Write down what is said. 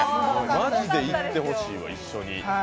マジで行ってほしいわ、一緒に。